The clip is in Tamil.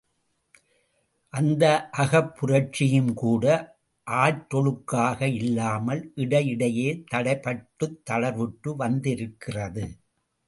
அந்த அகப்புரட்சியும்கூட ஆற்றொழுக்காக இல்லாமல் இடையிடையே தடைப்பட்டுத் தளர்வுற்று வந்திருக்கிறது.